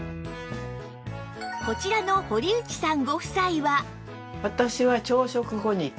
こちらの堀内さんご夫妻は